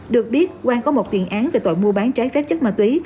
được biết quang có một tiền án về tội mua bán trái phép chất ma túy